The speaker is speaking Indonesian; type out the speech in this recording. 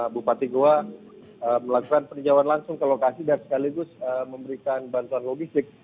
bupati goa melakukan peninjauan langsung ke lokasi dan sekaligus memberikan bantuan logistik